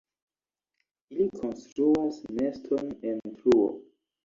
Ili konstruas neston en truo.